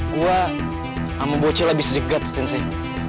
gua sama boceh lebih sedikit sensei